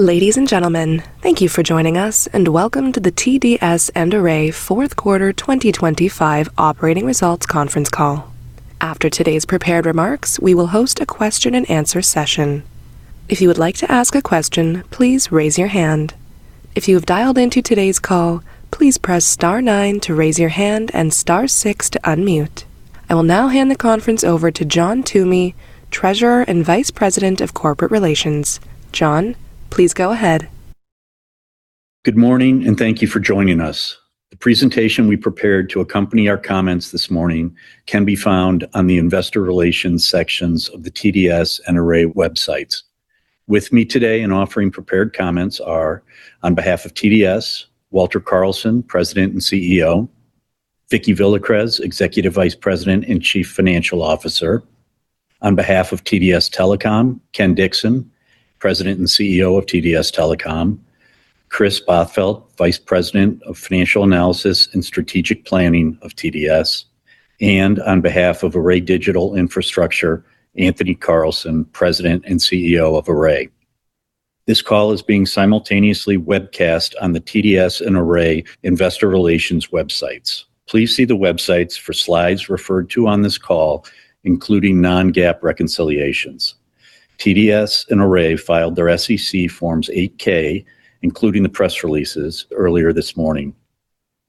Ladies and gentlemen, thank you for joining us, and welcome to the TDS and Array Fourth Quarter 2025 Operating Results Conference Call. After today's prepared remarks, we will host a question and answer session. If you would like to ask a question, please raise your hand. If you have dialed into today's call, please press star nine to raise your hand and star six to unmute. I will now hand the conference over to John Toomey, Treasurer and Vice President of Corporate Relations. John, please go ahead. Good morning, and thank you for joining us. The presentation we prepared to accompany our comments this morning can be found on the Investor Relations sections of the TDS and Array websites. With me today and offering prepared comments are, on behalf of TDS, Walter Carlson, President and CEO, Vicki Villacrez, Executive Vice President and Chief Financial Officer. On behalf of TDS Telecom, Ken Dixon, President and CEO of TDS Telecom, Kris Bothfeld, Vice President of Financial Analysis and Strategic Planning of TDS, and on behalf of Array Digital Infrastructure, Anthony Carlson, President and CEO of Array. This call is being simultaneously webcast on the TDS and Array Investor Relations websites. Please see the websites for slides referred to on this call, including non-GAAP reconciliations. TDS and Array filed their SEC Forms 8-K, including the press releases earlier this morning.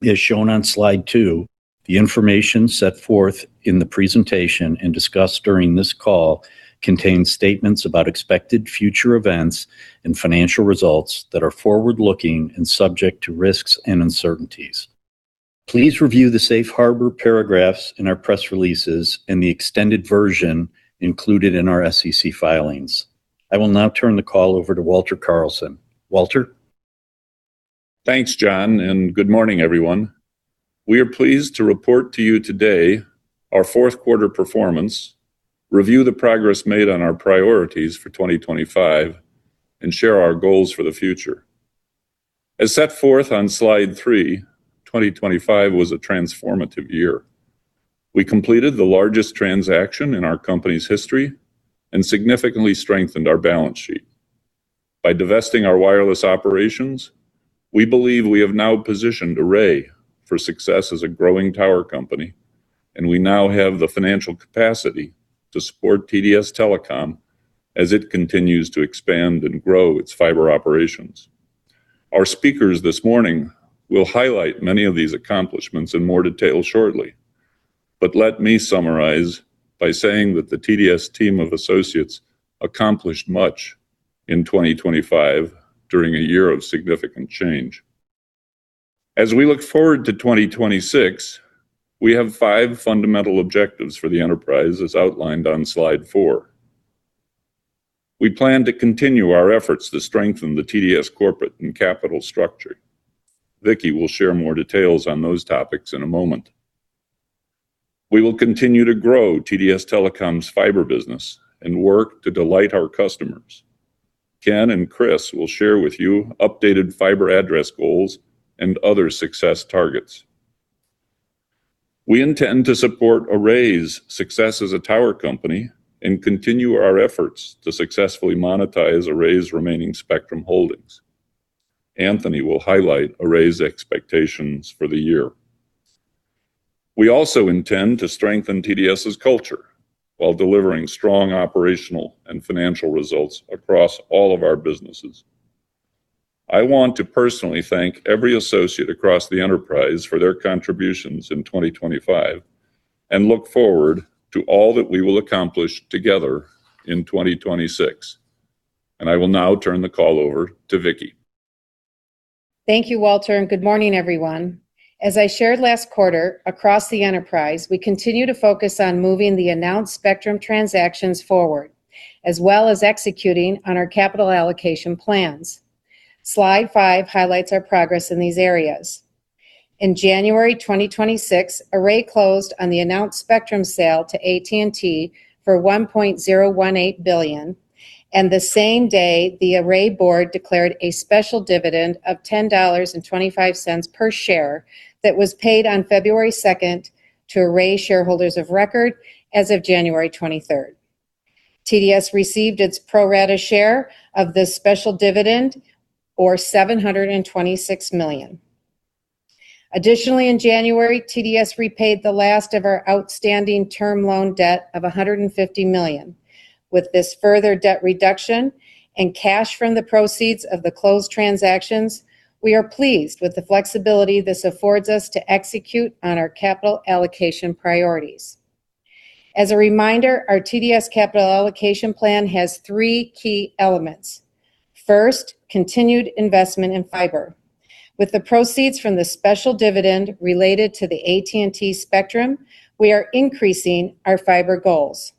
As shown on slide two, the information set forth in the presentation and discussed during this call contains statements about expected future events and financial results that are forward-looking and subject to risks and uncertainties. Please review the Safe Harbor paragraphs in our press releases and the extended version included in our SEC filings. I will now turn the call over to Walter Carlson. Walter? Thanks, John, and good morning, everyone. We are pleased to report to you today our fourth quarter performance, review the progress made on our priorities for 2025, and share our goals for the future. As set forth on slide three, 2025 was a transformative year. We completed the largest transaction in our company's history and significantly strengthened our balance sheet. By divesting our wireless operations, we believe we have now positioned Array for success as a growing tower company, and we now have the financial capacity to support TDS Telecom as it continues to expand and grow its fiber operations. Our speakers this morning will highlight many of these accomplishments in more detail shortly, but let me summarize by saying that the TDS team of associates accomplished much in 2025 during a year of significant change. As we look forward to 2026, we have five fundamental objectives for the enterprise, as outlined on slide four. We plan to continue our efforts to strengthen the TDS corporate and capital structure. Vicki will share more details on those topics in a moment. We will continue to grow TDS Telecom's fiber business and work to delight our customers. Ken and Kris will share with you updated fiber address goals and other success targets. We intend to support Array's success as a tower company and continue our efforts to successfully monetize Array's remaining spectrum holdings. Anthony will highlight Array's expectations for the year. We also intend to strengthen TDS's culture while delivering strong operational and financial results across all of our businesses. I want to personally thank every associate across the enterprise for their contributions in 2025 and look forward to all that we will accomplish together in 2026. I will now turn the call over to Vicki. Thank you, Walter, and good morning, everyone. As I shared last quarter, across the enterprise, we continue to focus on moving the announced spectrum transactions forward, as well as executing on our capital allocation plans. Slide five highlights our progress in these areas. In January 2026, Array closed on the announced spectrum sale to AT&T for $1.018 billion, and the same day, the Array board declared a special dividend of $10.25 per share that was paid on February 2nd to Array shareholders of record as of January 23rd. TDS received its pro rata share of this special dividend, or $726 million. Additionally, in January, TDS repaid the last of our outstanding term loan debt of $150 million. With this further debt reduction and cash from the proceeds of the closed transactions, we are pleased with the flexibility this affords us to execute on our capital allocation priorities. As a reminder, our TDS capital allocation plan has three key elements. First, continued investment in fiber. With the proceeds from the special dividend related to the AT&T spectrum, we are increasing our fiber goals.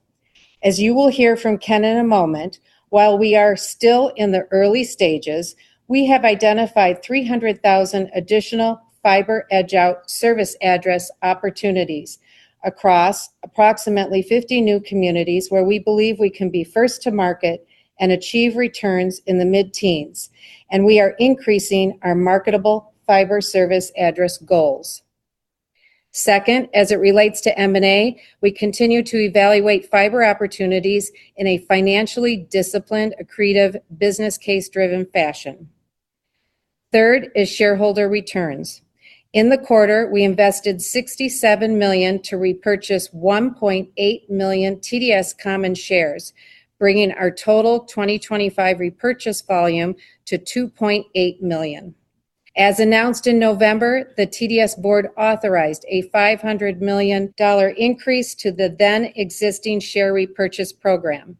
As you will hear from Ken in a moment, while we are still in the early stages, we have identified 300,000 additional fiber edge-out service address opportunities across approximately 50 new communities where we believe we can be first to market and achieve returns in the mid-teens, and we are increasing our marketable fiber service address goals. Second, as it relates to M&A, we continue to evaluate fiber opportunities in a financially disciplined, accretive, business case-driven fashion. Third is shareholder returns. In the quarter, we invested $67 million to repurchase 1.8 million TDS common shares, bringing our total 2025 repurchase volume to 2.8 million. As announced in November, the TDS board authorized a $500 million increase to the then existing share repurchase program.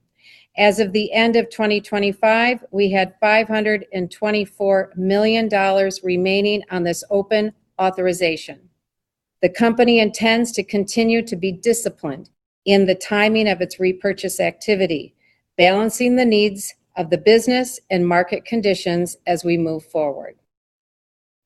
As of the end of 2025, we had $524 million remaining on this open authorization. The company intends to continue to be disciplined in the timing of its repurchase activity, balancing the needs of the business and market conditions as we move forward.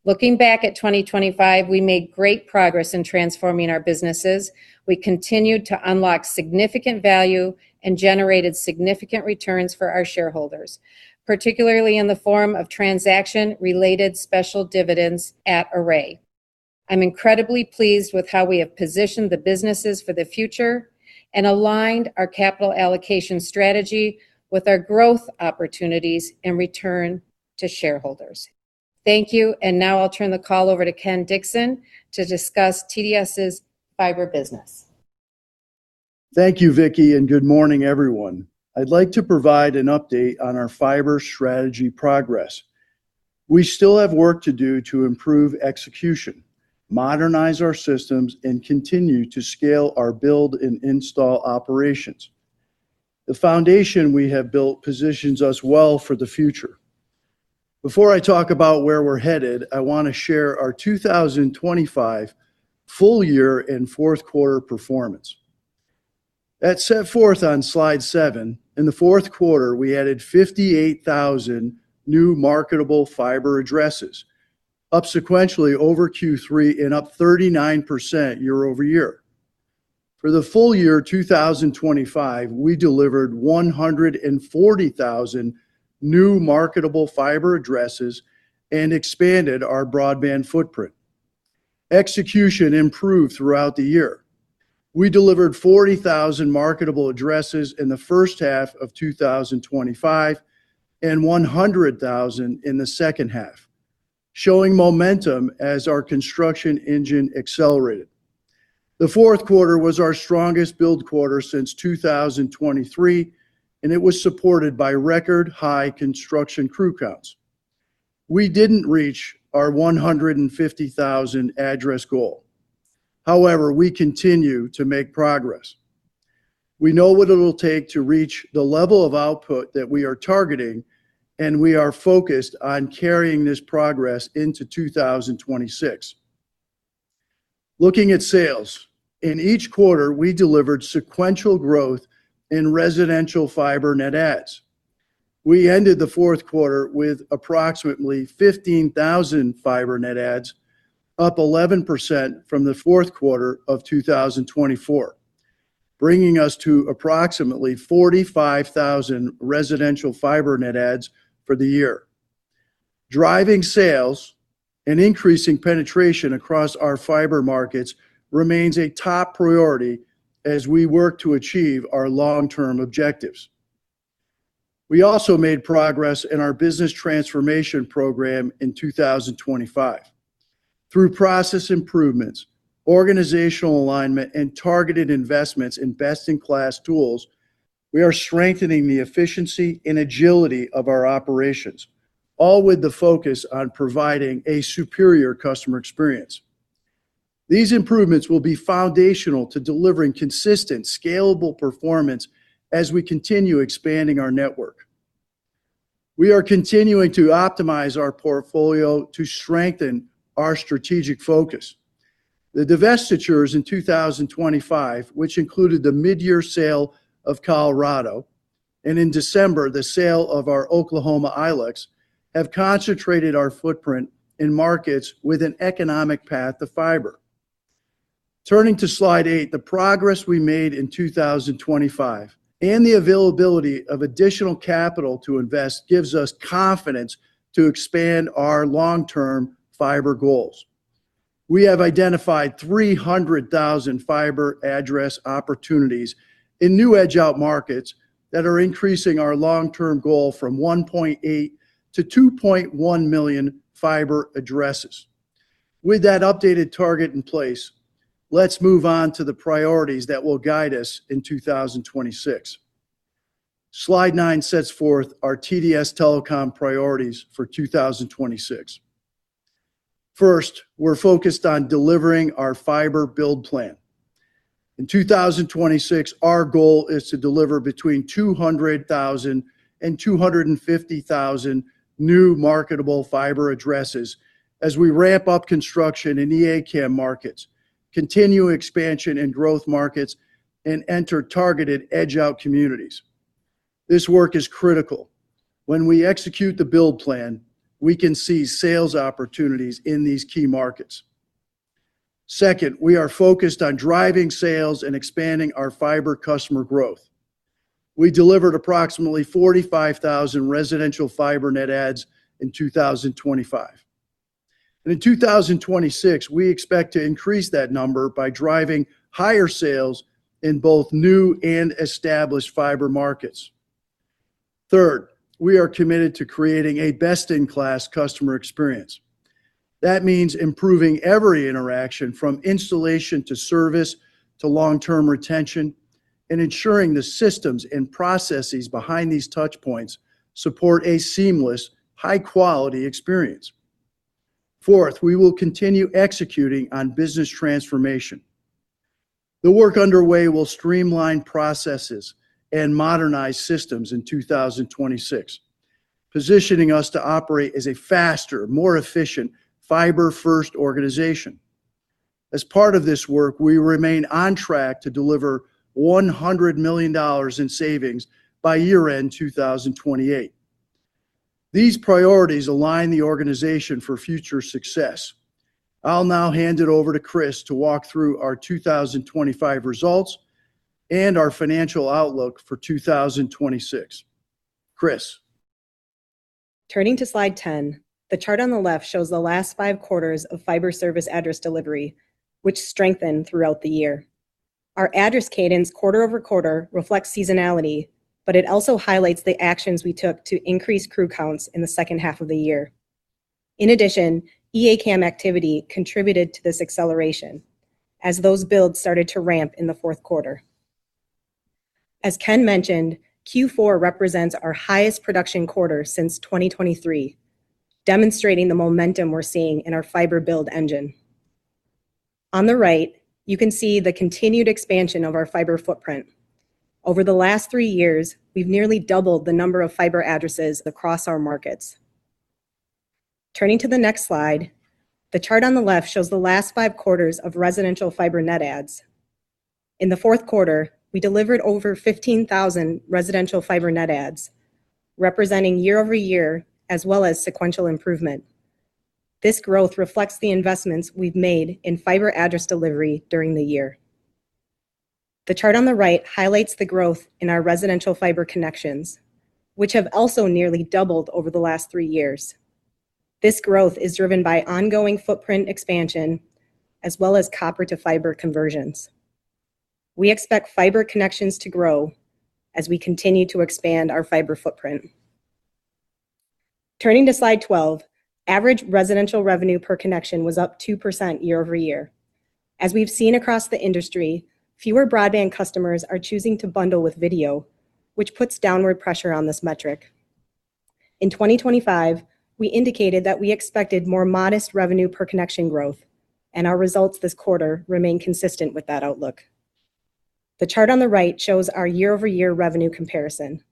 Looking back at 2025, we made great progress in transforming our businesses. We continued to unlock significant value and generated significant returns for our shareholders, particularly in the form of transaction-related special dividends at Array. I'm incredibly pleased with how we have positioned the businesses for the future and aligned our capital allocation strategy with our growth opportunities and return to shareholders. Thank you, and now I'll turn the call over to Ken Dixon to discuss TDS's fiber business. Thank you, Vicki, and good morning, everyone. I'd like to provide an update on our fiber strategy progress. We still have work to do to improve execution, modernize our systems, and continue to scale our build and install operations. The foundation we have built positions us well for the future. Before I talk about where we're headed, I want to share our 2025 full year and fourth quarter performance. As set forth on slide seven, in the fourth quarter, we added 58,000 new marketable fiber addresses, up sequentially over Q3 and up 39% year over year. For the full year 2025, we delivered 140,000 new marketable fiber addresses and expanded our broadband footprint. Execution improved throughout the year. We delivered 40,000 marketable addresses in the first half of 2025, and 100,000 in the second half, showing momentum as our construction engine accelerated. The fourth quarter was our strongest build quarter since 2023, and it was supported by record-high construction crew counts. We didn't reach our 150,000 address goal. However, we continue to make progress. We know what it will take to reach the level of output that we are targeting, and we are focused on carrying this progress into 2026. Looking at sales, in each quarter, we delivered sequential growth in residential fiber net adds. We ended the fourth quarter with approximately 15,000 fiber net adds, up 11% from the fourth quarter of 2024, bringing us to approximately 45,000 residential fiber net adds for the year. Driving sales and increasing penetration across our fiber markets remains a top priority as we work to achieve our long-term objectives. We also made progress in our business transformation program in 2025. Through process improvements, organizational alignment, and targeted investments in best-in-class tools, we are strengthening the efficiency and agility of our operations, all with the focus on providing a superior customer experience. These improvements will be foundational to delivering consistent, scalable performance as we continue expanding our network. We are continuing to optimize our portfolio to strengthen our strategic focus. The divestitures in 2025, which included the mid-year sale of Colorado, and in December, the sale of our Oklahoma ILEC, have concentrated our footprint in markets with an economic path to fiber. Turning to slide eight, the progress we made in 2025 and the availability of additional capital to invest gives us confidence to expand our long-term fiber goals. We have identified 300,000 fiber address opportunities in new edge-out markets that are increasing our long-term goal from 1.8 million to 2.1 million fiber addresses. With that updated target in place, let's move on to the priorities that will guide us in 2026. Slide nine sets forth our TDS Telecom priorities for 2026. First, we're focused on delivering our fiber build plan. In 2026, our goal is to deliver between 200,000-250,000 new marketable fiber addresses as we ramp up construction in the EA-CAM markets, continue expansion in growth markets, and enter targeted edge-out communities. This work is critical. When we execute the build plan, we can see sales opportunities in these key markets. Second, we are focused on driving sales and expanding our fiber customer growth. We delivered approximately 45,000 residential fiber net adds in 2025. In 2026, we expect to increase that number by driving higher sales in both new and established fiber markets. Third, we are committed to creating a best-in-class customer experience. That means improving every interaction, from installation to service to long-term retention, and ensuring the systems and processes behind these touchpoints support a seamless, high-quality experience. Fourth, we will continue executing on business transformation. The work underway will streamline processes and modernize systems in 2026, positioning us to operate as a faster, more efficient, fiber-first organization. As part of this work, we remain on track to deliver $100 million in savings by year-end 2028. These priorities align the organization for future success. I'll now hand it over to Kris to walk through our 2025 results and our financial outlook for 2026. Khris? Turning to slide 10, the chart on the left shows the last five quarters of fiber service address delivery, which strengthened throughout the year. Our address cadence, quarter-over-quarter, reflects seasonality, but it also highlights the actions we took to increase crew counts in the second half of the year. In addition, EA-CAM activity contributed to this acceleration as those builds started to ramp in the fourth quarter. As Ken mentioned, Q4 represents our highest production quarter since 2023, demonstrating the momentum we're seeing in our fiber build engine. On the right, you can see the continued expansion of our fiber footprint. Over the last three years, we've nearly doubled the number of fiber addresses across our markets. Turning to the next slide, the chart on the left shows the last five quarters of residential fiber net adds. In the fourth quarter, we delivered over 15,000 residential fiber net adds, representing year-over-year as well as sequential improvement. This growth reflects the investments we've made in fiber address delivery during the year. The chart on the right highlights the growth in our residential fiber connections, which have also nearly doubled over the last three years. This growth is driven by ongoing footprint expansion, as well as copper-to-fiber conversions. We expect fiber connections to grow as we continue to expand our fiber footprint. Turning to slide 12, average residential revenue per connection was up 2% year-over-year. As we've seen across the industry, fewer broadband customers are choosing to bundle with video, which puts downward pressure on this metric. In 2025, we indicated that we expected more modest revenue per connection growth, and our results this quarter remain consistent with that outlook. The chart on the right shows our year-over-year revenue comparison.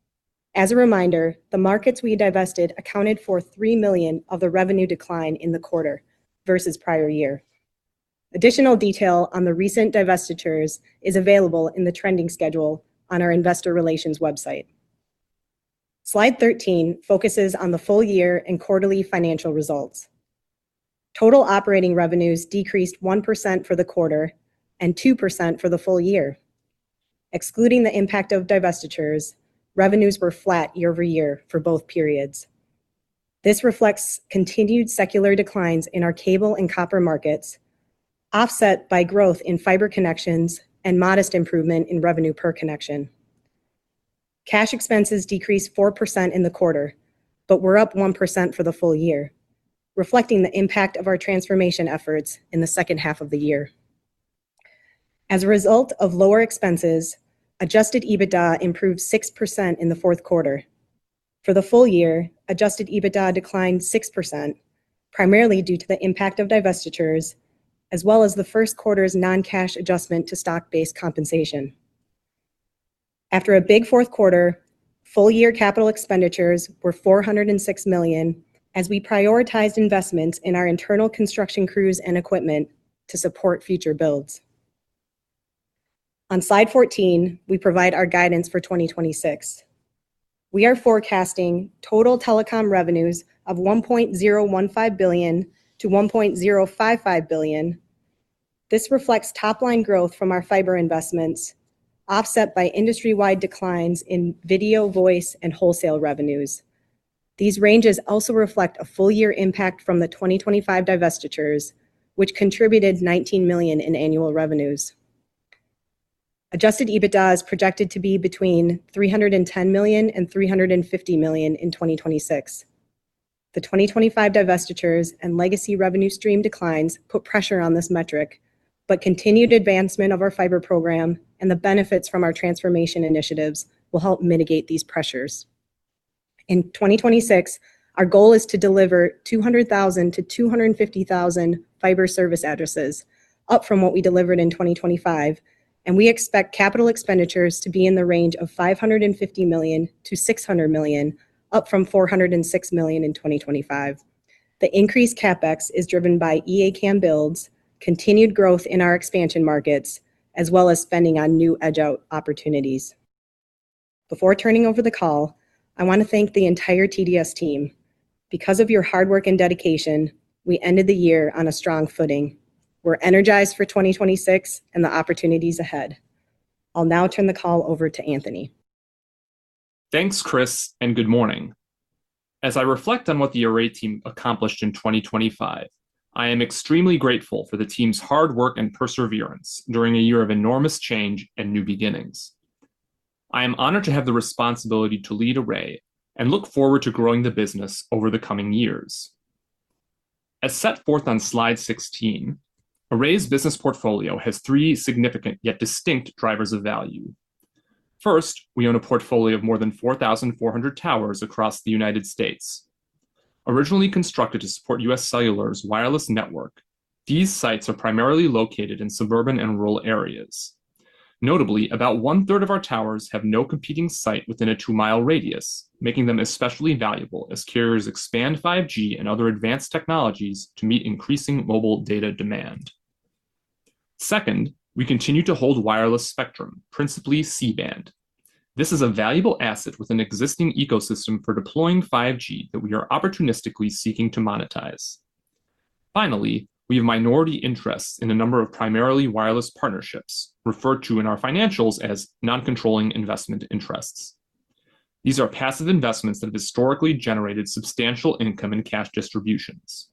As a reminder, the markets we divested accounted for $3 million of the revenue decline in the quarter versus prior year. Additional detail on the recent divestitures is available in the trending schedule on our investor relations website. Slide 13 focuses on the full year and quarterly financial results. Total operating revenues decreased 1% for the quarter and 2% for the full year. Excluding the impact of divestitures, revenues were flat year over year for both periods. This reflects continued secular declines in our cable and copper markets, offset by growth in fiber connections and modest improvement in revenue per connection. Cash expenses decreased 4% in the quarter, but were up 1% for the full year, reflecting the impact of our transformation efforts in the second half of the year. As a result of lower expenses, Adjusted EBITDA improved 6% in the fourth quarter. For the full year, Adjusted EBITDA declined 6%, primarily due to the impact of divestitures, as well as the first quarter's non-cash adjustment to stock-based compensation. After a big fourth quarter, full-year capital expenditures were $406 million, as we prioritized investments in our internal construction crews and equipment to support future builds. On slide 14, we provide our guidance for 2026. We are forecasting total telecom revenues of $1.015 billion-$1.055 billion. This reflects top-line growth from our fiber investments, offset by industry-wide declines in video, voice, and wholesale revenues. These ranges also reflect a full-year impact from the 2025 divestitures, which contributed $19 million in annual revenues. Adjusted EBITDA is projected to be between $310 million-$350 million in 2026. The 2025 divestitures and legacy revenue stream declines put pressure on this metric, but continued advancement of our fiber program and the benefits from our transformation initiatives will help mitigate these pressures. In 2026, our goal is to deliver 200,000-250,000 fiber service addresses, up from what we delivered in 2025, and we expect capital expenditures to be in the range of $550 million-$600 million, up from $406 million in 2025. The increased CapEx is driven by EA-CAM builds, continued growth in our expansion markets, as well as spending on new edge-out opportunities. Before turning over the call, I want to thank the entire TDS team. Because of your hard work and dedication, we ended the year on a strong footing. We're energized for 2026 and the opportunities ahead. I'll now turn the call over to Anthony. Thanks, Kris, and good morning. As I reflect on what the Array team accomplished in 2025, I am extremely grateful for the team's hard work and perseverance during a year of enormous change and new beginnings. I am honored to have the responsibility to lead Array and look forward to growing the business over the coming years. As set forth on slide 16, Array's business portfolio has three significant, yet distinct drivers of value. First, we own a portfolio of more than 4,400 towers across the United States. Originally constructed to support UScellular's wireless network, these sites are primarily located in suburban and rural areas. Notably, about one-third of our towers have no competing site within a 2 mi radius, making them especially valuable as carriers expand 5G and other advanced technologies to meet increasing mobile data demand. Second, we continue to hold wireless spectrum, principally C-band. This is a valuable asset with an existing ecosystem for deploying 5G that we are opportunistically seeking to monetize. Finally, we have minority interests in a number of primarily wireless partnerships, referred to in our financials as non-controlling investment interests. These are passive investments that have historically generated substantial income and cash distributions.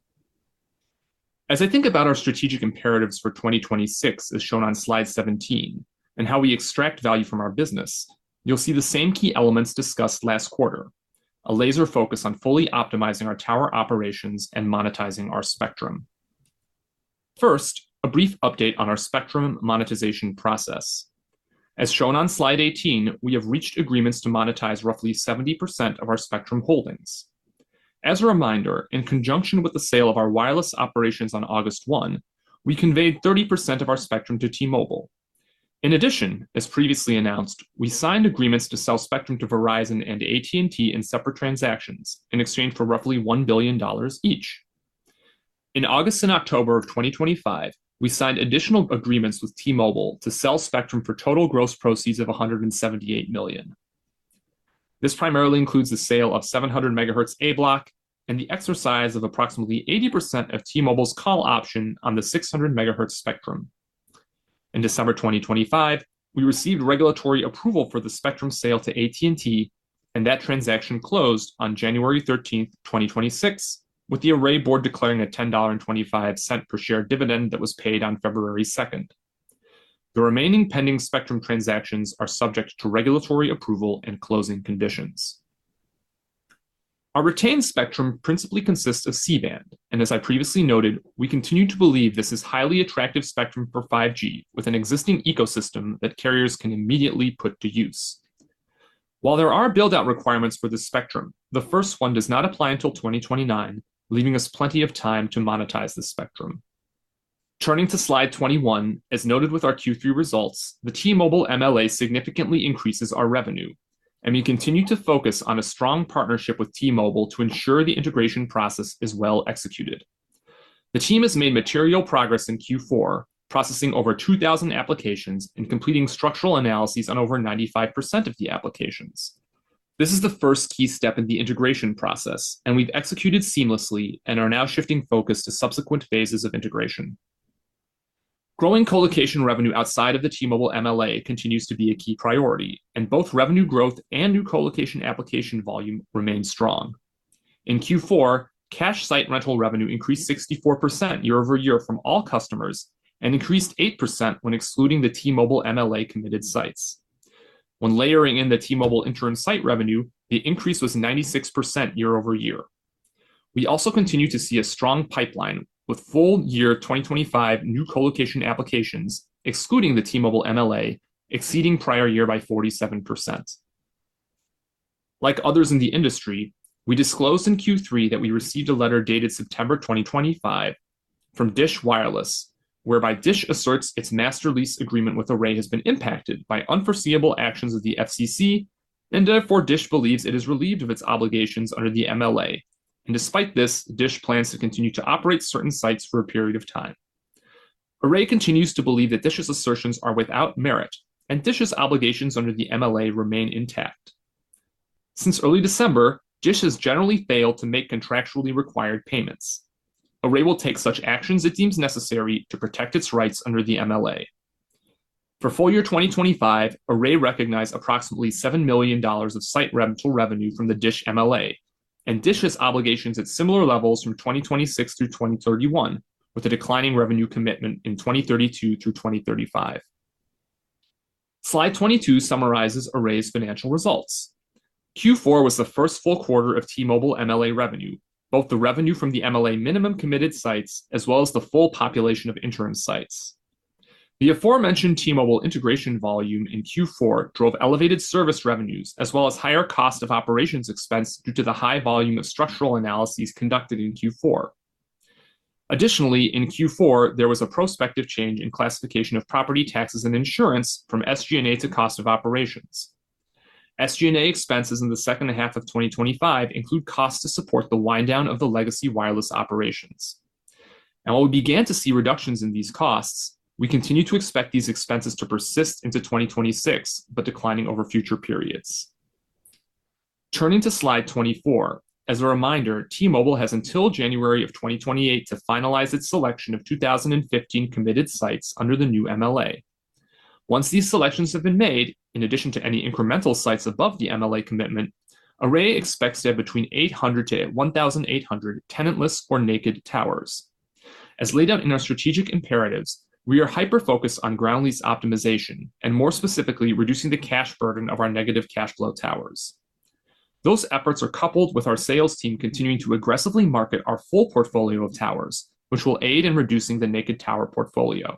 As I think about our strategic imperatives for 2026, as shown on slide 17, and how we extract value from our business, you'll see the same key elements discussed last quarter. A laser focus on fully optimizing our tower operations and monetizing our spectrum. First, a brief update on our spectrum monetization process. As shown on slide 18, we have reached agreements to monetize roughly 70% of our spectrum holdings. As a reminder, in conjunction with the sale of our wireless operations on August 1, we conveyed 30% of our spectrum to T-Mobile. In addition, as previously announced, we signed agreements to sell spectrum to Verizon and AT&T in separate transactions in exchange for roughly $1 billion each. In August and October of 2025, we signed additional agreements with T-Mobile to sell spectrum for total gross proceeds of $178 million. This primarily includes the sale of 700 MHz A Block and the exercise of approximately 80% of T-Mobile's call option on the 600 MHz spectrum. In December 2025, we received regulatory approval for the spectrum sale to AT&T, and that transaction closed on January 13, 2026, with the Array board declaring a $10.25 per share dividend that was paid on February 2nd. The remaining pending spectrum transactions are subject to regulatory approval and closing conditions. Our retained spectrum principally consists of C-band, and as I previously noted, we continue to believe this is highly attractive spectrum for 5G, with an existing ecosystem that carriers can immediately put to use. While there are build-out requirements for the spectrum, the first one does not apply until 2029, leaving us plenty of time to monetize the spectrum. Turning to slide 21, as noted with our Q3 results, the T-Mobile MLA significantly increases our revenue, and we continue to focus on a strong partnership with T-Mobile to ensure the integration process is well executed. The team has made material progress in Q4, processing over 2,000 applications and completing structural analyses on over 95% of the applications. This is the first key step in the integration process, and we've executed seamlessly and are now shifting focus to subsequent phases of integration. Growing colocation revenue outside of the T-Mobile MLA continues to be a key priority, and both revenue growth and new colocation application volume remain strong. In Q4, cash site rental revenue increased 64% year over year from all customers and increased 8% when excluding the T-Mobile MLA-committed sites. When layering in the T-Mobile interim site revenue, the increase was 96% year over year. We also continue to see a strong pipeline with full year 2025 new colocation applications, excluding the T-Mobile MLA, exceeding prior year by 47%. Like others in the industry, we disclosed in Q3 that we received a letter dated September 2025 from DISH Wireless, whereby DISH asserts its master lease agreement with Array has been impacted by unforeseeable actions of the FCC, and therefore, DISH believes it is relieved of its obligations under the MLA. Despite this, DISH plans to continue to operate certain sites for a period of time. Array continues to believe that DISH's assertions are without merit and DISH's obligations under the MLA remain intact. Since early December, DISH has generally failed to make contractually required payments. Array will take such actions it deems necessary to protect its rights under the MLA. For full year 2025, Array recognized approximately $7 million of site rental revenue from the DISH MLA and DISH's obligations at similar levels from 2026 through 2031, with a declining revenue commitment in 2032 through 2035. Slide 22 summarizes Array's financial results. Q4 was the first full quarter of T-Mobile MLA revenue, both the revenue from the MLA minimum committed sites as well as the full population of interim sites. The aforementioned T-Mobile integration volume in Q4 drove elevated service revenues, as well as higher cost of operations expense due to the high volume of structural analyses conducted in Q4. Additionally, in Q4, there was a prospective change in classification of property taxes and insurance from SG&A to cost of operations. SG&A expenses in the second half of 2025 include costs to support the wind down of the legacy wireless operations. While we began to see reductions in these costs, we continue to expect these expenses to persist into 2026, but declining over future periods. Turning to slide 24, as a reminder, T-Mobile has until January 2028 to finalize its selection of 2,015 committed sites under the new MLA. Once these selections have been made, in addition to any incremental sites above the MLA commitment, Array expects to have between 800-1,800 tenantless or naked towers. As laid out in our strategic imperatives, we are hyper-focused on ground lease optimization, and more specifically, reducing the cash burden of our negative cash flow towers. Those efforts are coupled with our sales team continuing to aggressively market our full portfolio of towers, which will aid in reducing the naked tower portfolio.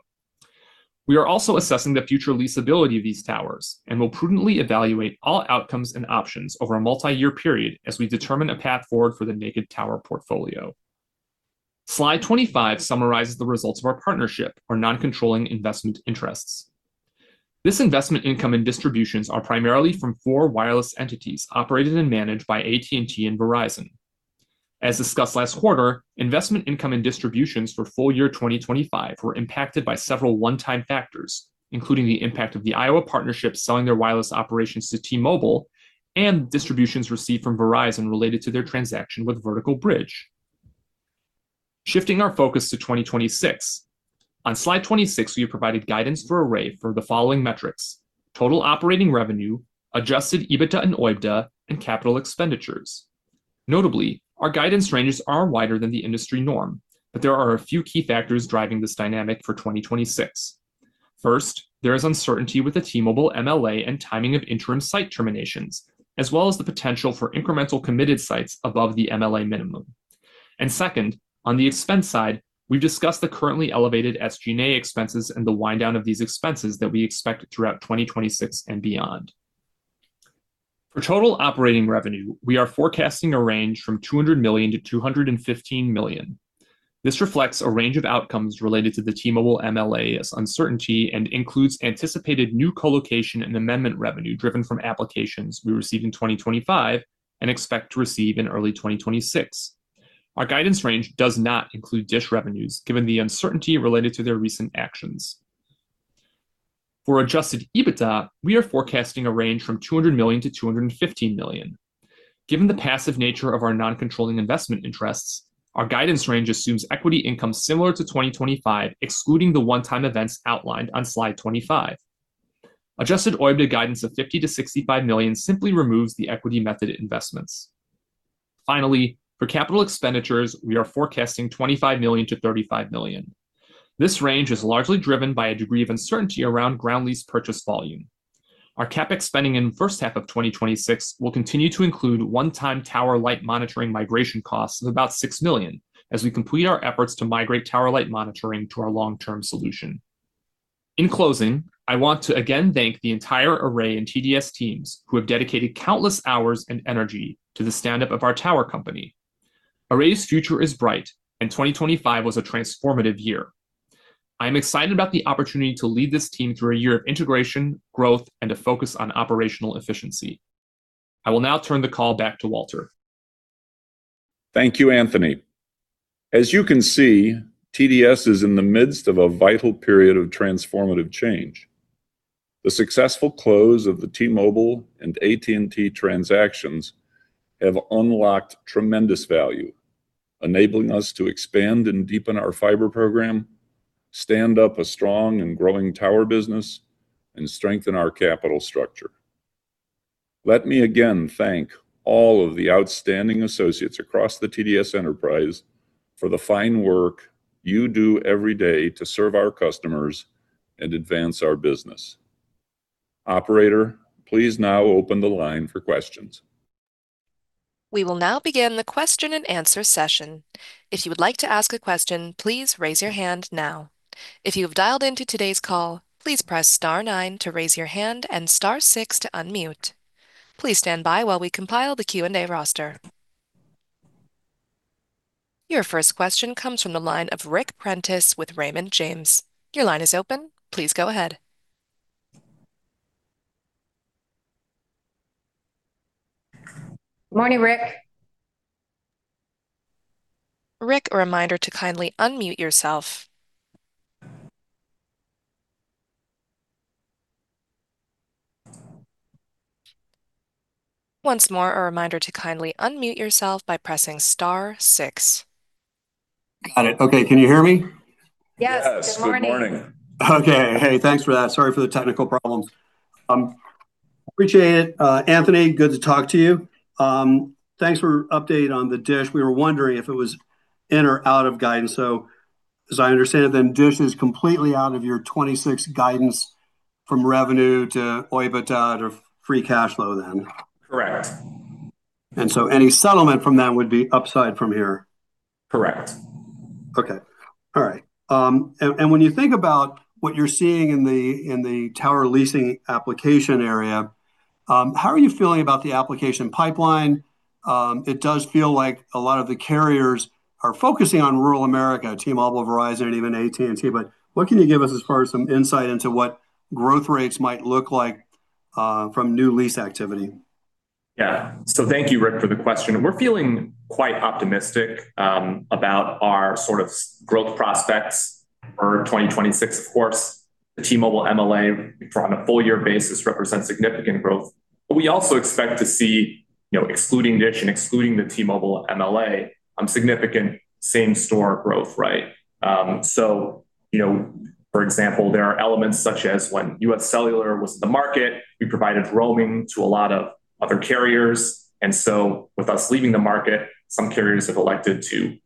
We are also assessing the future leasability of these towers and will prudently evaluate all outcomes and options over a multi-year period as we determine a path forward for the naked tower portfolio. Slide 25 summarizes the results of our partnership, our non-controlling investment interests. This investment income and distributions are primarily from four wireless entities operated and managed by AT&T and Verizon. As discussed last quarter, investment income and distributions for full year 2025 were impacted by several one-time factors, including the impact of the Iowa partnership selling their wireless operations to T-Mobile and distributions received from Verizon related to their transaction with Vertical Bridge. Shifting our focus to 2026, on slide 26, we have provided guidance for Array for the following metrics: total operating revenue, adjusted EBITDA and OIBDA, and capital expenditures. Notably, our guidance ranges are wider than the industry norm, but there are a few key factors driving this dynamic for 2026. First, there is uncertainty with the T-Mobile MLA and timing of interim site terminations, as well as the potential for incremental committed sites above the MLA minimum. Second, on the expense side, we've discussed the currently elevated SG&A expenses and the wind down of these expenses that we expect throughout 2026 and beyond. For total operating revenue, we are forecasting a range from $200 million-$215 million. This reflects a range of outcomes related to the T-Mobile MLA as uncertainty and includes anticipated new colocation and amendment revenue driven from applications we received in 2025 and expect to receive in early 2026. Our guidance range does not include DISH revenues, given the uncertainty related to their recent actions. For Adjusted EBITDA, we are forecasting a range from $200 million-$215 million. Given the passive nature of our non-controlling investment interests, our guidance range assumes equity income similar to 2025, excluding the one-time events outlined on slide 25. Adjusted OIBDA guidance of $50 million-$65 million simply removes the equity method investments. Finally, for capital expenditures, we are forecasting $25 million-$35 million. This range is largely driven by a degree of uncertainty around ground lease purchase volume. Our CapEx spending in the first half of 2026 will continue to include one-time tower light monitoring migration costs of about $6 million as we complete our efforts to migrate tower light monitoring to our long-term solution. In closing, I want to again thank the entire Array and TDS teams, who have dedicated countless hours and energy to the stand-up of our tower company. Array's future is bright, and 2025 was a transformative year. I'm excited about the opportunity to lead this team through a year of integration, growth, and a focus on operational efficiency. I will now turn the call back to Walter. Thank you, Anthony. As you can see, TDS is in the midst of a vital period of transformative change. The successful close of the T-Mobile and AT&T transactions have unlocked tremendous value, enabling us to expand and deepen our fiber program, stand up a strong and growing tower business, and strengthen our capital structure. Let me again thank all of the outstanding associates across the TDS enterprise for the fine work you do every day to serve our customers and advance our business. Operator, please now open the line for questions. We will now begin the question-and-answer session. If you would like to ask a question, please raise your hand now. If you have dialed into today's call, please press star nine to raise your hand and star six to unmute. Please stand by while we compile the Q&A roster. Your first question comes from the line of Ric Prentiss with Raymond James. Your line is open. Please go ahead. Good morning, Ric. Ric, a reminder to kindly unmute yourself. Once more, a reminder to kindly unmute yourself by pressing star six. Got it. Okay, can you hear me? Yes. Yes. Good morning. Good morning. Okay. Hey, thanks for that. Sorry for the technical problems. Appreciate it. Anthony, good to talk to you. Thanks for update on the DISH. We were wondering if it was in or out of guidance, so as I understand it, then, DISH is completely out of your 2026 guidance from revenue to OIBDA to free cash flow, then? Correct. And so any settlement from that would be upside from here? Correct. Okay. All right. And when you think about what you're seeing in the tower leasing application area, how are you feeling about the application pipeline? It does feel like a lot of the carriers are focusing on rural America, T-Mobile, Verizon, and even AT&T, but what can you give us as far as some insight into what growth rates might look like, from new lease activity? Yeah. So thank you, Ric, for the question, and we're feeling quite optimistic about our sort of growth prospects for 2026. Of course, the T-Mobile MLA on a full year basis represents significant growth. But we also expect to see, you know, excluding DISH and excluding the T-Mobile MLA, significant same-store growth, right? So, you know, for example, there are elements such as when UScellular was in the market, we provided roaming to a lot of other carriers, and so with us leaving the market, some carriers have elected to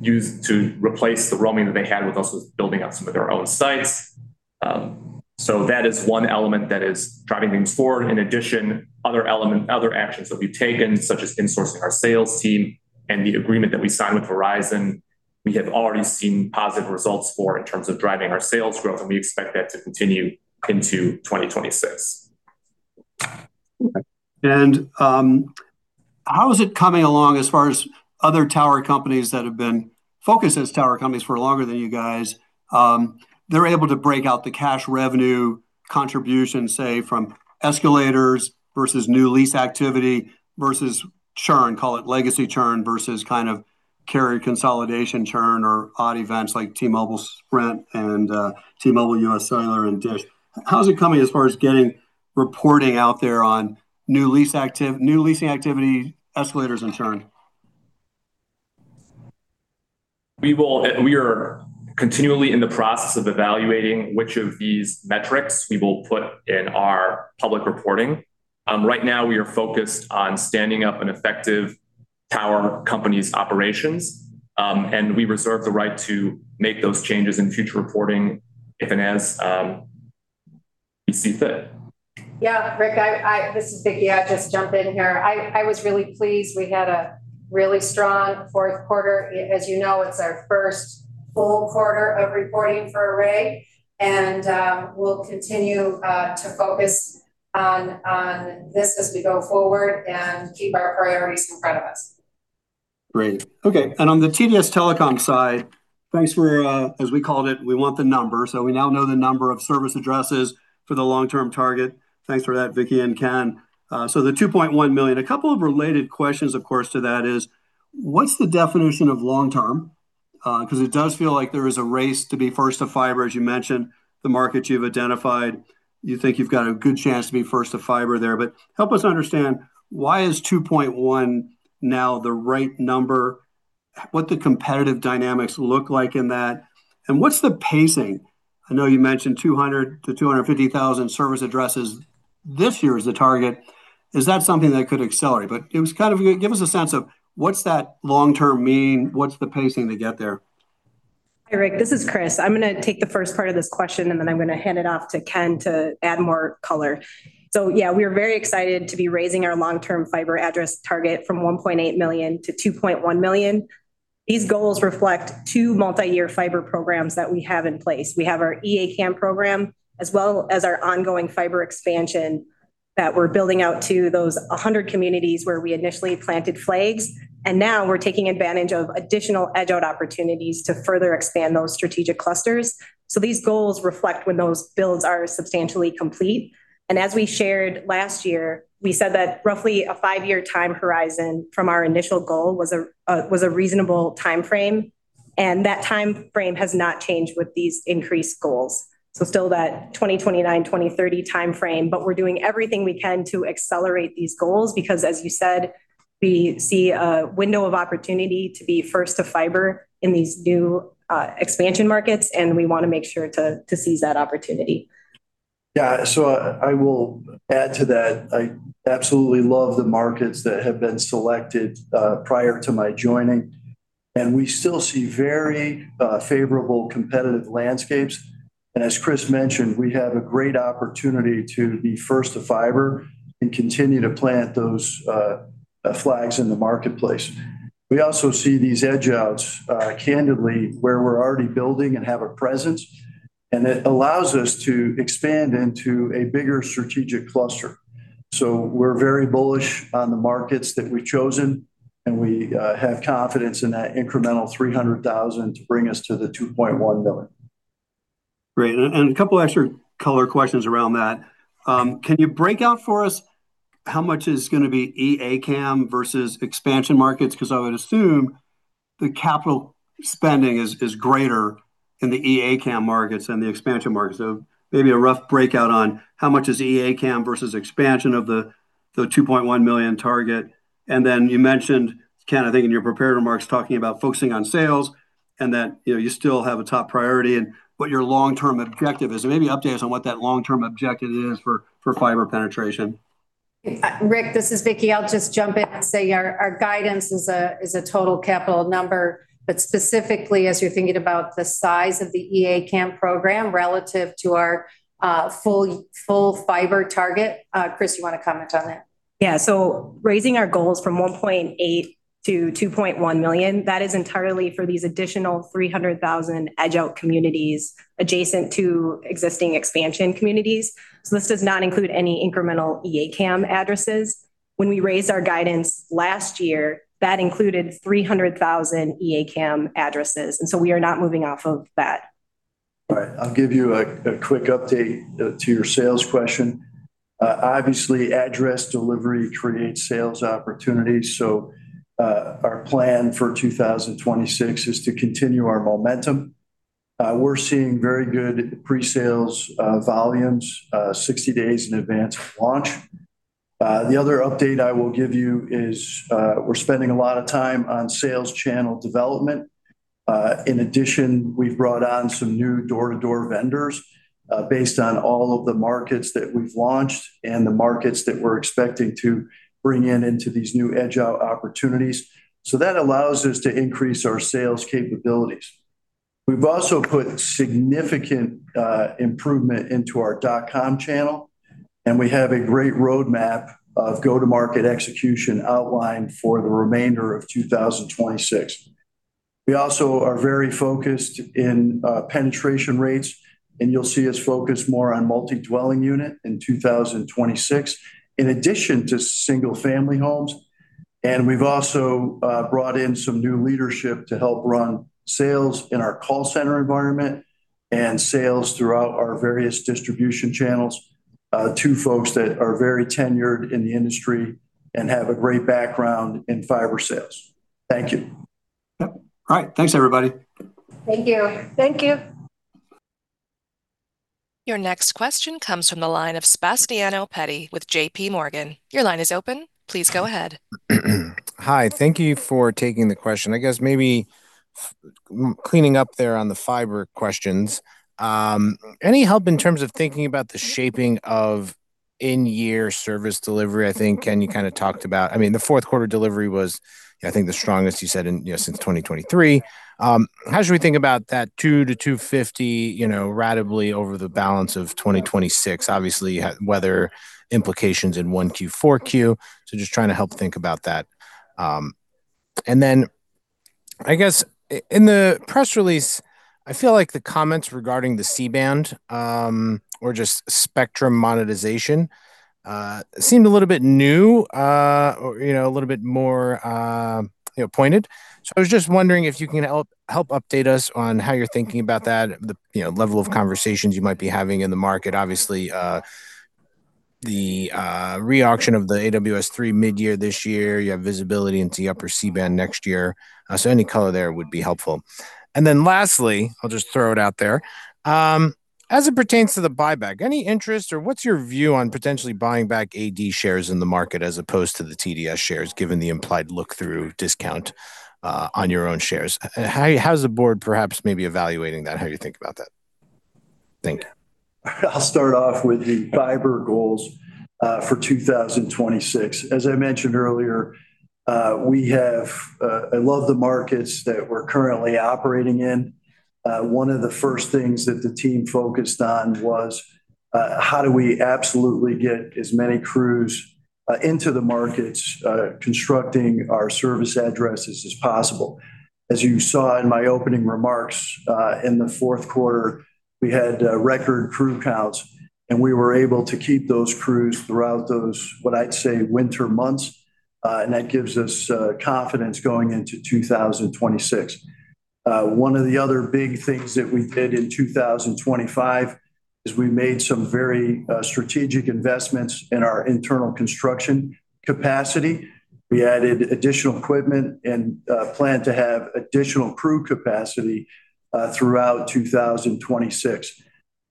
use to replace the roaming that they had with us with building out some of their own sites. So that is one element that is driving things forward. In addition, other actions that we've taken, such as insourcing our sales team and the agreement that we signed with Verizon, we have already seen positive results for in terms of driving our sales growth, and we expect that to continue into 2026. Okay. And how is it coming along as far as other tower companies that have been focused as tower companies for longer than you guys? They're able to break out the cash revenue contribution, say, from escalators versus new lease activity versus churn, call it legacy churn, versus kind of carrier consolidation churn or odd events like T-Mobile, Sprint, and T-Mobile, UScellular, and DISH. How's it coming as far as getting reporting out there on new leasing activity, escalators, and churn? We are continually in the process of evaluating which of these metrics we will put in our public reporting. Right now, we are focused on standing up an effective tower company's operations, and we reserve the right to make those changes in future reporting if and as we see fit. Yeah, Ric. This is Vicki. I'll just jump in here. I was really pleased. We had a really strong fourth quarter. As you know, it's our first full quarter of reporting for Array, and we'll continue to focus on this as we go forward and keep our priorities in front of us. Great. Okay, and on the TDS Telecom side, thanks for, as we called it, we want the number. So we now know the number of service addresses for the long-term target. Thanks for that, Vicki and Ken. So the 2.1 million. A couple of related questions, of course, to that is, what's the definition of long term? Because it does feel like there is a race to be first to fiber. As you mentioned, the market you've identified, you think you've got a good chance to be first to fiber there. But help us understand, why is 2.1 now the right number? What the competitive dynamics look like in that, and what's the pacing? I know you mentioned 200-250 thousand service addresses this year is the target. Is that something that could accelerate? But it was kind of, give us a sense of what's that long term mean? What's the pacing to get there? Hi, Ric, this is Kris. I'm gonna take the first part of this question, and then I'm gonna hand it off to Ken to add more color. So yeah, we are very excited to be raising our long-term fiber address target from 1.8 million to 2.1 million. These goals reflect two multi-year fiber programs that we have in place. We have our EA-CAM program, as well as our ongoing fiber expansion that we're building out to those 100 communities where we initially planted flags. And now we're taking advantage of additional edge-out opportunities to further expand those strategic clusters. So these goals reflect when those builds are substantially complete. And as we shared last year, we said that roughly a five-year time horizon from our initial goal was a reasonable timeframe, and that timeframe has not changed with these increased goals. So still that 2029-2030 timeframe, but we're doing everything we can to accelerate these goals because, as you said, we see a window of opportunity to be first to fiber in these new expansion markets, and we want to make sure to seize that opportunity. Yeah, so I will add to that. I absolutely love the markets that have been selected prior to my joining, and we still see very favorable competitive landscapes. And as Kris mentioned, we have a great opportunity to be first to fiber and continue to plant those flags in the marketplace. We also see these edge-outs candidly, where we're already building and have a presence, and it allows us to expand into a bigger strategic cluster. So we're very bullish on the markets that we've chosen, and we have confidence in that incremental 300,000 to bring us to the 2.1 million. Great. And a couple extra color questions around that. Can you break out for us how much is gonna be EA-CAM versus expansion markets? Because I would assume the capital spending is greater in the EA-CAM markets than the expansion markets. So maybe a rough breakout on how much is EA-CAM versus expansion of the $2 million target. And then you mentioned, Ken, I think in your prepared remarks, talking about focusing on sales and that, you know, you still have a top priority and what your long-term objective is. So maybe updates on what that long-term objective is for fiber penetration. Ric, this is Vicki. I'll just jump in and say our, our guidance is a, is a total capital number, but specifically, as you're thinking about the size of the EA-CAM program relative to our, full, full fiber target. Kris, you want to comment on that? Yeah, so raising our goals from 1.8 million to 2.1 million, that is entirely for these additional 300,000 edge-out communities adjacent to existing expansion communities. So this does not include any incremental EA-CAM addresses. When we raised our guidance last year, that included 300,000 EA-CAM addresses, and so we are not moving off of that. All right, I'll give you a quick update to your sales question. Obviously, address delivery creates sales opportunities, so our plan for 2026 is to continue our momentum. We're seeing very good pre-sales volumes, 60 days in advance of launch. The other update I will give you is we're spending a lot of time on sales channel development. In addition, we've brought on some new door-to-door vendors, based on all of the markets that we've launched and the markets that we're expecting to bring in into these new edge-out opportunities. That allows us to increase our sales capabilities. We've also put significant improvement into our dot-com channel, and we have a great roadmap of go-to-market execution outlined for the remainder of 2026. We also are very focused in penetration rates, and you'll see us focus more on multi-dwelling unit in 2026, in addition to single-family homes. And we've also brought in some new leadership to help run sales in our call center environment and sales throughout our various distribution channels to folks that are very tenured in the industry and have a great background in fiber sales. Thank you. Yep. All right. Thanks, everybody. Thank you. Thank you. Your next question comes from the line of Sebastiano Petti with J.P. Morgan. Your line is open. Please go ahead. Hi, thank you for taking the question. I guess maybe cleaning up there on the fiber questions, any help in terms of thinking about the shaping of in-year service delivery? I think, and you kind of talked about. I mean, the fourth quarter delivery was, I think, the strongest you said in, you know, since 2023. How should we think about that 200-250, you know, ratably over the balance of 2026? Obviously, you had weather implications in Q4, so just trying to help think about that. And then, I guess in the press release, I feel like the comments regarding the C-band, or just spectrum monetization, seemed a little bit new, or, you know, a little bit more, you know, pointed. So I was just wondering if you can help update us on how you're thinking about that, the, you know, level of conversations you might be having in the market. Obviously, the re-auction of the AWS-3 mid-year this year, you have visibility into upper C-band next year. So any color there would be helpful. And then lastly, I'll just throw it out there, as it pertains to the buyback, any interest or what's your view on potentially buying back AD shares in the market as opposed to the TDS shares, given the implied look-through discount, on your own shares? How is the board perhaps maybe evaluating that? How do you think about that? Thank you. I'll start off with the fiber goals for 2026. As I mentioned earlier, we have I love the markets that we're currently operating in. One of the first things that the team focused on was how do we absolutely get as many crews into the markets constructing our service addresses as possible? As you saw in my opening remarks, in the fourth quarter, we had record crew counts, and we were able to keep those crews throughout those, what I'd say, winter months, and that gives us confidence going into 2026. One of the other big things that we did in 2025 is we made some very strategic investments in our internal construction capacity. We added additional equipment and plan to have additional crew capacity throughout 2026.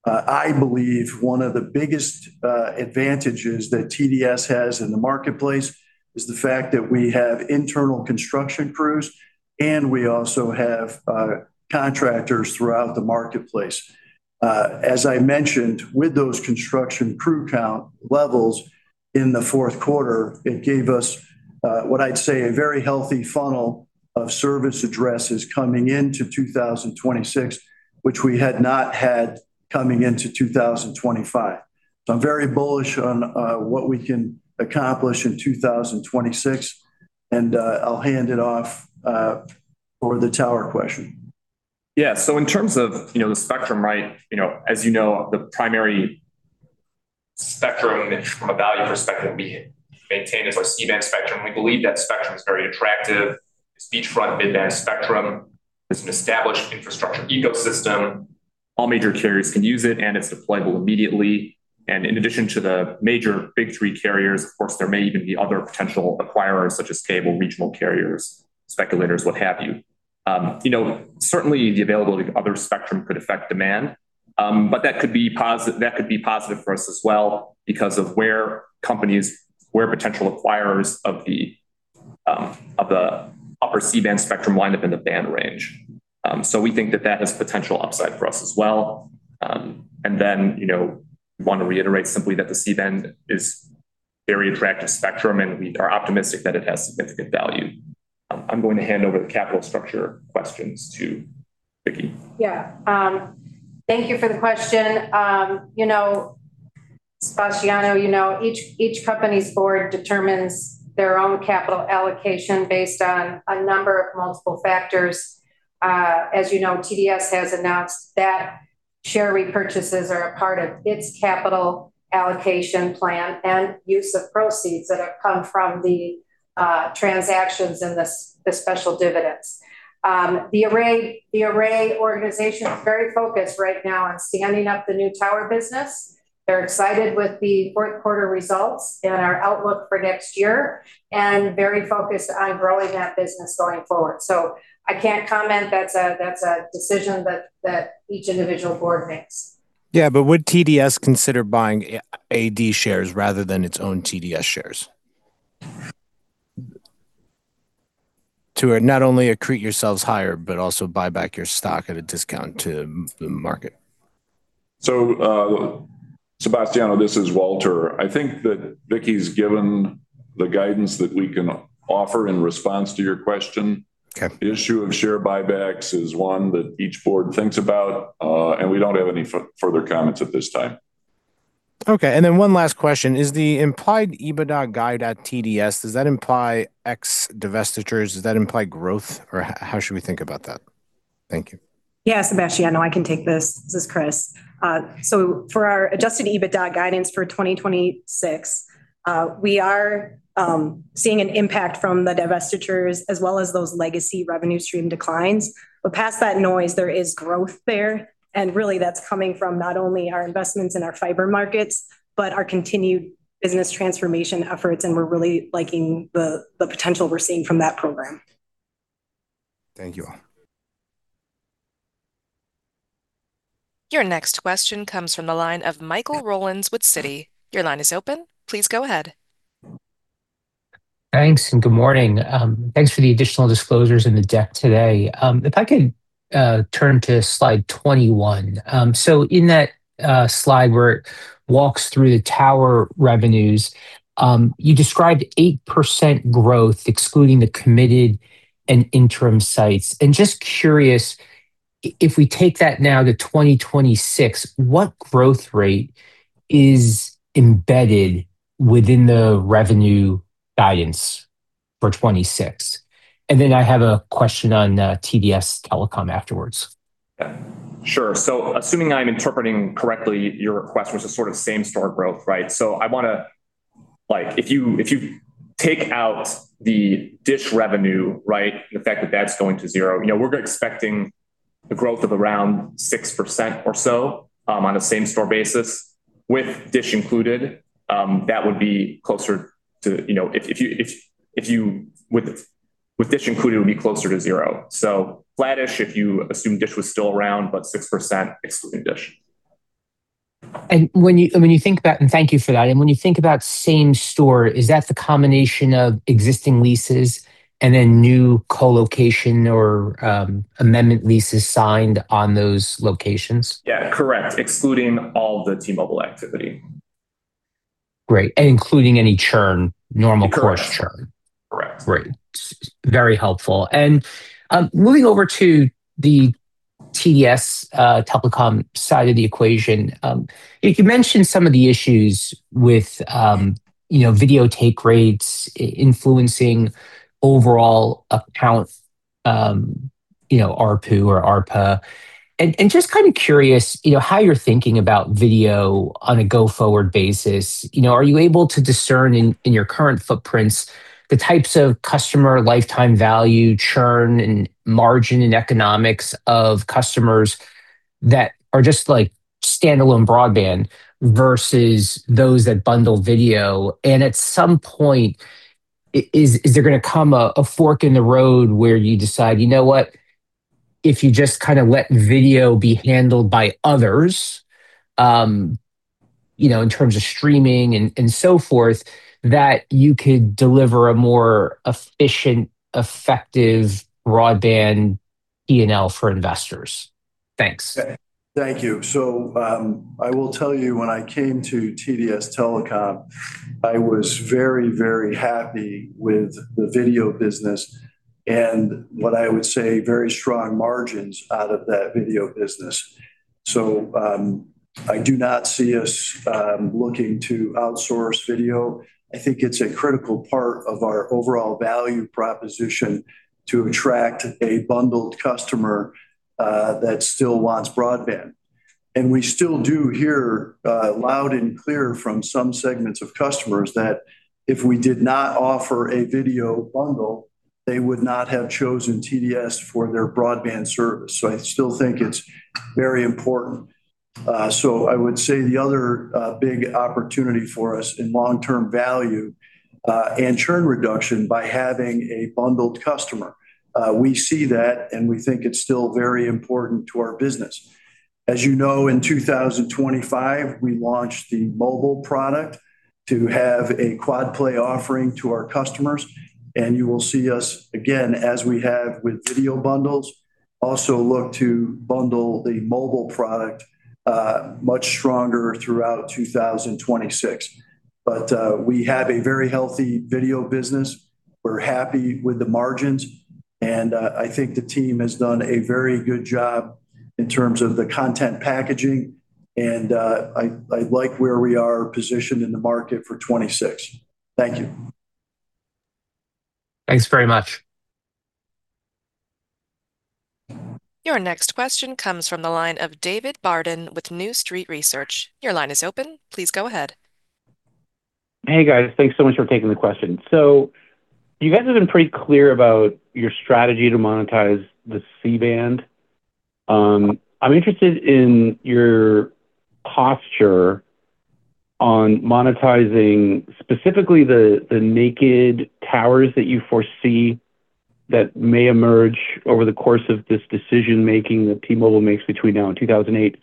I believe one of the biggest advantages that TDS has in the marketplace is the fact that we have internal construction crews, and we also have contractors throughout the marketplace. As I mentioned, with those construction crew count levels in the fourth quarter, it gave us what I'd say, a very healthy funnel of service addresses coming into 2026, which we had not had coming into 2025. So I'm very bullish on what we can accomplish in 2026, and I'll hand it off for the tower question. Yeah. So in terms of, you know, the spectrum, right, you know, as you know, the primary spectrum from a value perspective we maintain is our C-band spectrum. We believe that spectrum is very attractive. It's beachfront mid-band spectrum. It's an established infrastructure ecosystem. All major carriers can use it, and it's deployable immediately. And in addition to the major big three carriers, of course, there may even be other potential acquirers, such as cable, regional carriers, speculators, what have you. You know, certainly the availability of other spectrum could affect demand, but that could be positive for us as well because of where companies, where potential acquirers of the, of the upper C-band spectrum wind up in the band range. So we think that that has potential upside for us as well. You know, we want to reiterate simply that the C-band is very attractive spectrum, and we are optimistic that it has significant value. I'm going to hand over the capital structure questions to Vicki. Yeah. Thank you for the question. You know, Sebastiano, you know, each company's board determines their own capital allocation based on a number of multiple factors. As you know, TDS has announced that share repurchases are a part of its capital allocation plan and use of proceeds that have come from the transactions and the special dividends. The Array organization is very focused right now on standing up the new tower business. They're excited with the fourth quarter results and our outlook for next year, and very focused on growing that business going forward. So I can't comment. That's a decision that each individual board makes. Yeah, but would TDS consider buying AD shares rather than its own TDS shares? To not only accrete yourselves higher, but also buy back your stock at a discount to the market. Sebastiano, this is Walter. I think that Vicki's given the guidance that we can offer in response to your question. Okay. The issue of share buybacks is one that each board thinks about, and we don't have any further comments at this time. Okay, and then one last question: Is the implied EBITDA guide at TDS, does that imply ex-divestitures? Does that imply growth, or how should we think about that? Thank you. Yeah, Sebastiano, I can take this. This is Kris. So for our adjusted EBITDA guidance for 2026, we are seeing an impact from the divestitures as well as those legacy revenue stream declines. But past that noise, there is growth there, and really, that's coming from not only our investments in our fiber markets, but our continued business transformation efforts, and we're really liking the, the potential we're seeing from that program. Thank you all. Your next question comes from the line of Michael Rollins with Citi. Your line is open. Please go ahead. Thanks, and good morning. Thanks for the additional disclosures in the deck today. If I could, turn to slide 21. So in that slide, where it walks through the tower revenues, you described 8% growth, excluding the committed and interim sites. And just curious, if we take that now to 2026, what growth rate is embedded within the revenue guidance for 2026? And then I have a question on, TDS Telecom afterwards. Yeah, sure. So assuming I'm interpreting correctly, your request was a sort of same-store growth, right? So I want to—like, if you take out the DISH revenue, right, the fact that that's going to zero, you know, we're expecting a growth of around 6% or so on a same-store basis. With DISH included, that would be closer to, you know, if you—with DISH included, it would be closer to zero. So flattish, if you assume DISH was still around, but 6% excluding DISH. And thank you for that. When you think about same store, is that the combination of existing leases and then new colocation or amendment leases signed on those locations? Yeah, correct. Excluding all the T-Mobile activity. Great, and including any churn, normal course churn? Correct. Great. Very helpful. And moving over to the TDS Telecom side of the equation. You mentioned some of the issues with, you know, video take rates influencing overall account, you know, ARPU or ARPA. And just kind of curious, you know, how you're thinking about video on a go-forward basis. You know, are you able to discern in your current footprints the types of customer lifetime value, churn, and margin, and economics of customers that are just like standalone broadband versus those that bundle video? And at some point, is there going to come a fork in the road where you decide, you know what, if you just kind of let video be handled by others, you know, in terms of streaming and so forth, that you could deliver a more efficient, effective broadband P&L for investors? Thanks. Thank you. So, I will tell you, when I came to TDS Telecom, I was very, very happy with the video business and what I would say, very strong margins out of that video business. So, I do not see us looking to outsource video. I think it's a critical part of our overall value proposition to attract a bundled customer that still wants broadband. And we still do hear loud and clear from some segments of customers that if we did not offer a video bundle, they would not have chosen TDS for their broadband service, so I still think it's very important. So I would say the other big opportunity for us in long-term value and churn reduction by having a bundled customer, we see that, and we think it's still very important to our business. As you know, in 2025, we launched the mobile product to have a quad play offering to our customers, and you will see us again, as we have with video bundles, also look to bundle the mobile product much stronger throughout 2026. But we have a very healthy video business. We're happy with the margins, and I think the team has done a very good job in terms of the content packaging, and I like where we are positioned in the market for 2026. Thank you. Thanks very much. Your next question comes from the line of David Barden with New Street Research. Your line is open. Please go ahead. Hey, guys. Thanks so much for taking the question. So you guys have been pretty clear about your strategy to monetize the C-band. I'm interested in your posture on monetizing, specifically the naked towers that you foresee that may emerge over the course of this decision-making that T-Mobile makes between now and 2008.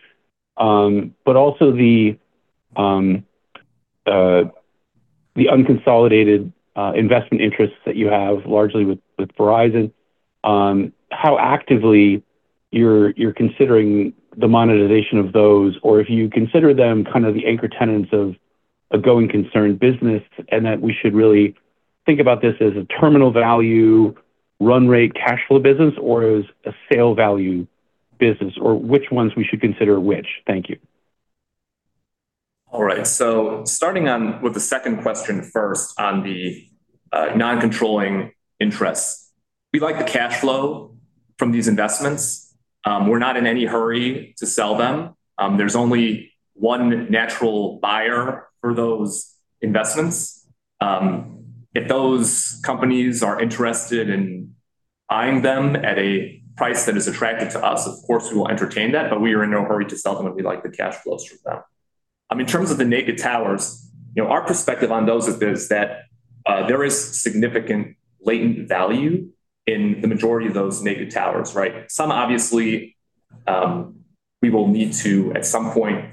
But also the unconsolidated investment interests that you have largely with Verizon. How actively you're considering the monetization of those, or if you consider them kind of the anchor tenants of a going concern business, and that we should really think about this as a terminal value, run rate, cash flow business, or as a sale value business, or which ones we should consider which? Thank you. All right. So starting on with the second question first on the non-controlling interest. We like the cash flow from these investments. We're not in any hurry to sell them. There's only one natural buyer for those investments. If those companies are interested in buying them at a price that is attractive to us, of course, we will entertain that, but we are in no hurry to sell them, and we like the cash flows from them. In terms of the naked towers, you know, our perspective on those is that there is significant latent value in the majority of those naked towers, right? Some, obviously, we will need to, at some point,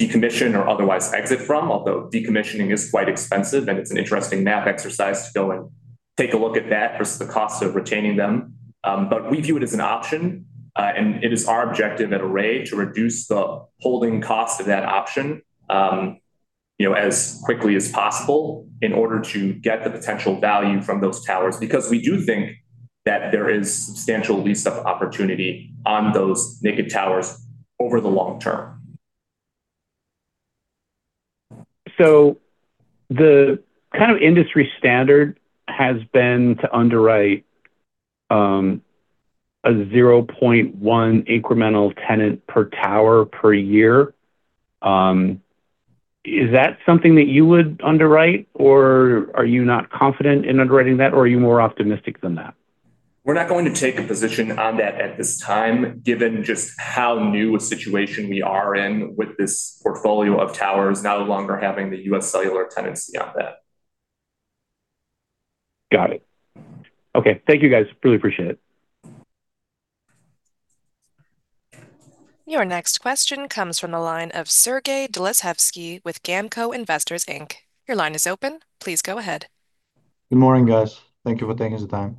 decommission or otherwise exit from, although decommissioning is quite expensive, and it's an interesting math exercise to go and take a look at that versus the cost of retaining them. But we view it as an option, and it is our objective at Array to reduce the holding cost of that option, you know, as quickly as possible in order to get the potential value from those towers. Because we do think that there is substantial lease-up opportunity on those naked towers over the long term. So the kind of industry standard has been to underwrite a 0.1 incremental tenant per tower per year. Is that something that you would underwrite, or are you not confident in underwriting that, or are you more optimistic than that? We're not going to take a position on that at this time, given just how new a situation we are in with this portfolio of towers, no longer having the UScellular tenancy on that. Got it. Okay. Thank you, guys. Really appreciate it. Your next question comes from the line of Sergey Dluzhevskiy with GAMCO Investors Inc. Your line is open. Please go ahead. Good morning, guys. Thank you for taking the time.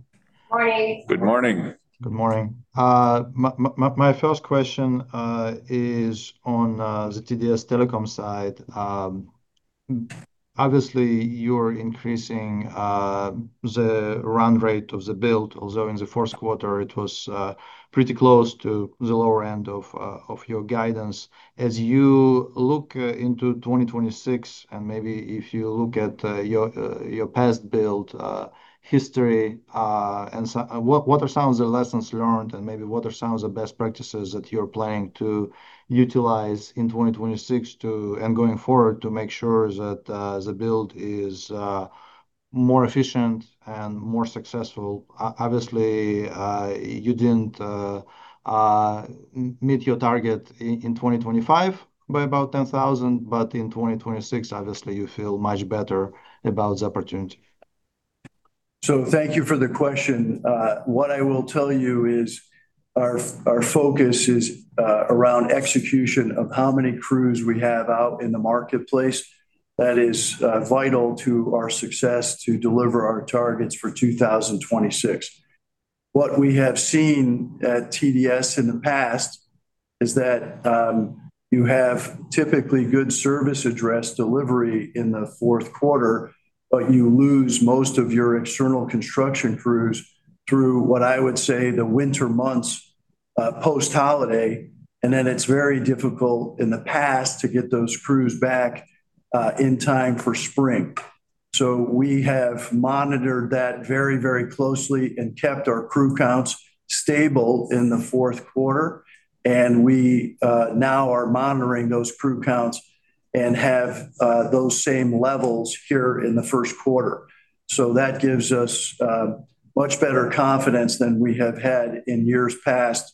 Morning. Good morning. Good morning. My first question is on the TDS Telecom side. Obviously, you're increasing the run rate of the build, although in the fourth quarter it was pretty close to the lower end of your guidance. As you look into 2026, and maybe if you look at your past build history, and so what are some of the lessons learned, and maybe what are some of the best practices that you're planning to utilize in 2026 to and going forward to make sure that the build is more efficient and more successful? Obviously, you didn't meet your target in 2025 by about 10,000, but in 2026, obviously, you feel much better about the opportunity. So thank you for the question. What I will tell you is our, our focus is around execution of how many crews we have out in the marketplace. That is vital to our success to deliver our targets for 2026. What we have seen at TDS in the past is that you have typically good service address delivery in the fourth quarter, but you lose most of your external construction crews through, what I would say, the winter months post-holiday, and then it's very difficult in the past to get those crews back in time for spring. So we have monitored that very, very closely and kept our crew counts stable in the fourth quarter, and we now are monitoring those crew counts and have those same levels here in the first quarter. So that gives us much better confidence than we have had in years past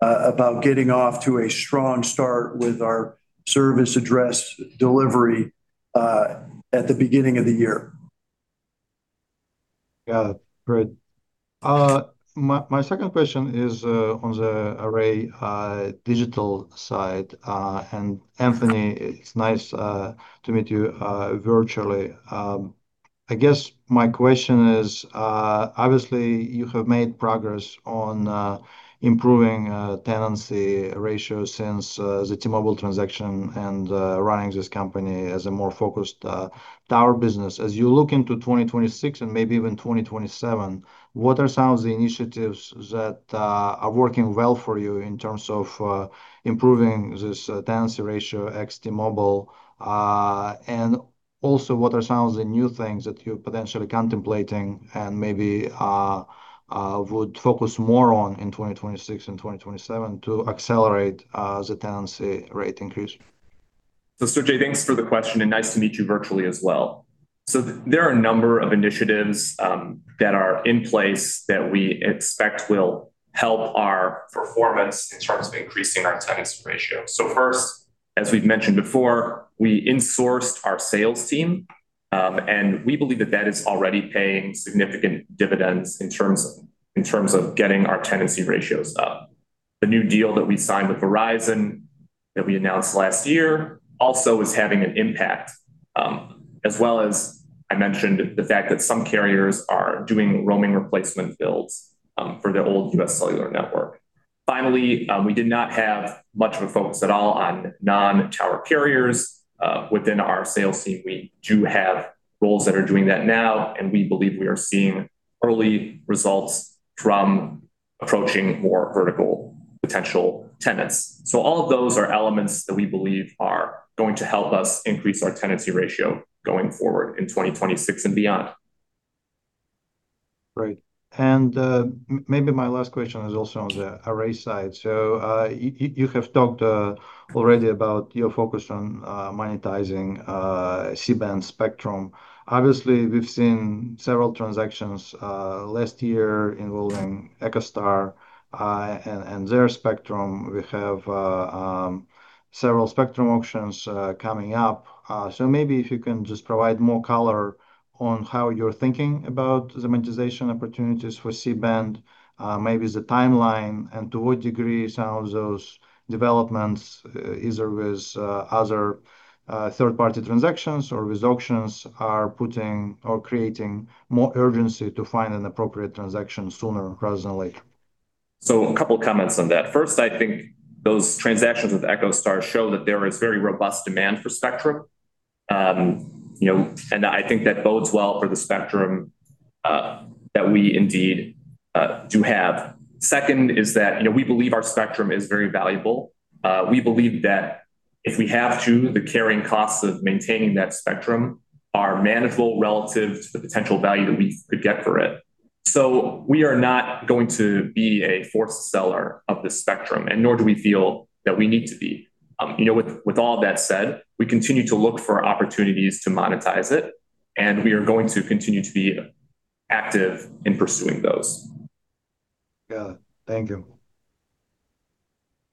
about getting off to a strong start with our service address delivery at the beginning of the year. Got it. Great. My second question is on the Array Digital side. And Anthony, it's nice to meet you virtually. I guess my question is, obviously, you have made progress on improving tenancy ratio since the T-Mobile transaction and running this company as a more focused tower business. As you look into 2026 and maybe even 2027, what are some of the initiatives that are working well for you in terms of improving this tenancy ratio ex T-Mobile? Also, what are some of the new things that you're potentially contemplating and maybe would focus more on in 2026 and 2027 to accelerate the tenancy rate increase? So, Sergey, thanks for the question, and nice to meet you virtually as well. So there are a number of initiatives that are in place that we expect will help our performance in terms of increasing our tenancy ratio. So first, as we've mentioned before, we insourced our sales team, and we believe that that is already paying significant dividends in terms, in terms of getting our tenancy ratios up. The new deal that we signed with Verizon, that we announced last year, also is having an impact, as well as I mentioned, the fact that some carriers are doing roaming replacement builds for the old UScellular network. Finally, we did not have much of a focus at all on non-tower carriers. Within our sales team, we do have roles that are doing that now, and we believe we are seeing early results from approaching more vertical potential tenants. All of those are elements that we believe are going to help us increase our tenancy ratio going forward in 2026 and beyond. Right. And, maybe my last question is also on the Array side. So, you have talked already about your focus on monetizing C-band spectrum. Obviously, we've seen several transactions last year involving EchoStar and their spectrum. We have several spectrum auctions coming up. So maybe if you can just provide more color on how you're thinking about the monetization opportunities for C-band, maybe the timeline, and to what degree some of those developments either with other third-party transactions or with auctions are putting or creating more urgency to find an appropriate transaction sooner rather than later. So a couple of comments on that. First, I think those transactions with EchoStar show that there is very robust demand for spectrum. You know, and I think that bodes well for the spectrum that we indeed do have. Second is that, you know, we believe our spectrum is very valuable. We believe that if we have to, the carrying costs of maintaining that spectrum are manageable relative to the potential value that we could get for it. So we are not going to be a forced seller of the spectrum, and nor do we feel that we need to be. You know, with all that said, we continue to look for opportunities to monetize it, and we are going to continue to be active in pursuing those. Yeah. Thank you.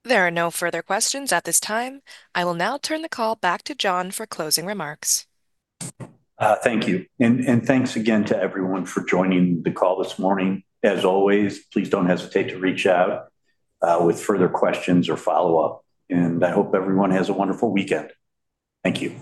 There are no further questions at this time. I will now turn the call back to John for closing remarks. Thank you. And thanks again to everyone for joining the call this morning. As always, please don't hesitate to reach out with further questions or follow-up, and I hope everyone has a wonderful weekend. Thank you.